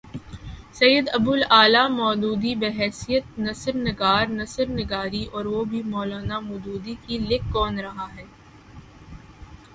سید ابو الاعلی مودودی، بحیثیت نثر نگار نثر نگاری اور وہ بھی مو لانا مودودی کی! لکھ کون رہا ہے؟